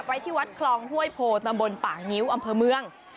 ไว้ที่วัดคลองห้วยโพตำบลป่างิ้วอำเภอเมือง